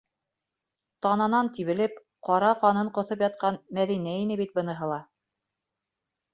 Тананан тибелеп, ҡара ҡанын ҡоҫоп ятҡан Мәҙинә ине бит быныһы ла.